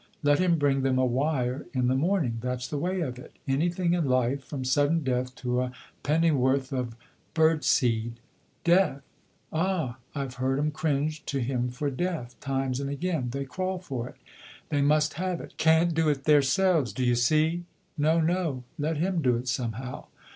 Let him bring them a wire in the morning; that's the way of it. Anything in life, from sudden death to a penn'orth of bird seed. Death! Ah, I've heard 'em cringe to him for death, times and again. They crawl for it they must have it. Can't do it theirselves, d'ye see? No, no. Let him do it somehow.